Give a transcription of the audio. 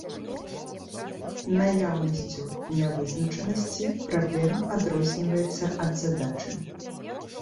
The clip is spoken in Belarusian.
Наяўнасцю нявызначанасці праблема адрозніваецца ад задачы.